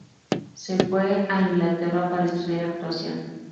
Se fue a Inglaterra para estudiar actuación.